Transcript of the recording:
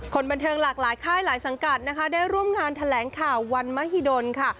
คนบันเทิงหลากหลายค่ายหลายสังกัดนะคะได้ร่วมงานแถลงข่าววันมหิดลค่ะ